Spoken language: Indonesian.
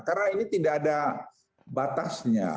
karena ini tidak ada batasnya